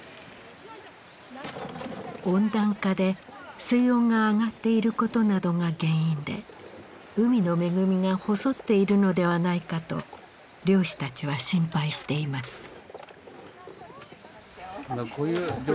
温暖化で水温が上がっていることなどが原因で海の恵みが細っているのではないかと漁師たちは心配しています。